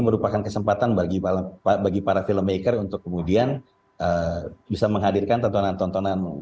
merupakan kesempatan bagi para filmmaker untuk kemudian bisa menghadirkan tontonan tontonan